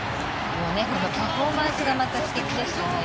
もうねこのパフォーマンスがまた素敵でしたね。